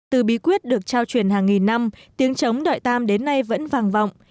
từ bí quyết được trao truyền hàng nghìn năm tiếng chống đợi tam đến nay vẫn vàng vọng